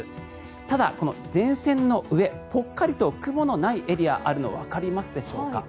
ただ、この前線の上ぽっかりと雲のないエリアがあるのがわかりますでしょうか。